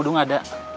atau itu siapa yang itu